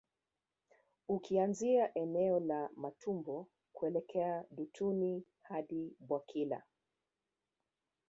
Ukianzia eneo la Matombo kuelekea Dutuni hadi Bwakila